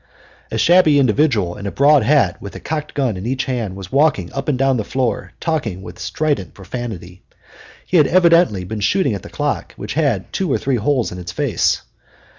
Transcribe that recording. A shabby individual in a broad hat with a cocked gun in each hand was walking up and down the floor talking with strident profanity. He had evidently been shooting at the clock, which had two or three holes in its face.